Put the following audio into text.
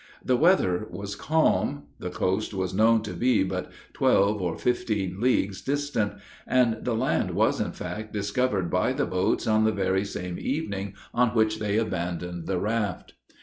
The weather was calm. The coast was known to be but twelve or fifteen leagues distant; and the land was in fact discovered by the boats on the very same evening on which they abandoned the raft.